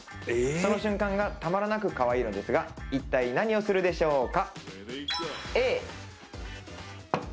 その瞬間がたまらなくかわいいのですが一体何をするでしょうか？